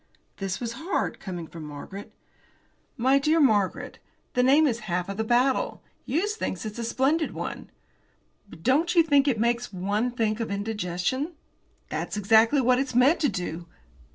'" This was hard, coming from Margaret. "My dear Margaret, the name is half the battle. Hughes thinks it's a splendid one." "But don't you think it makes one think of indigestion?" "That's exactly what it's meant to do."